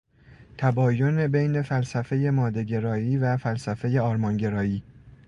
تباین بین فلسفهی مادهگرایی و فلسفهی آرمانگرایی